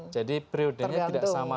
jadi periodenya tidak sama